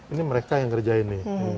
ini mereka yang ngerjain nih